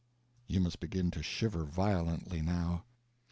_" (You must begin to shiver violently now.)